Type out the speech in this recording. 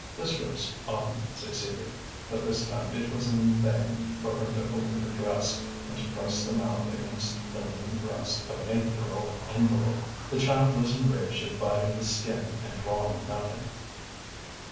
This ruse often succeeded. But this time it was in vain for her to open her dress, and to press the mouth against the lean breast of an eight year old invalid; the child was enraged at biting the skin and drawing nothing.